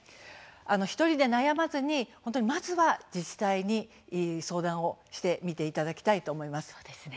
１人で悩まずにまずは自治体に相談をしてみていただきたいと思います。